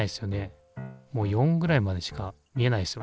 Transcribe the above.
もう４ぐらいまでしか見えないですよね。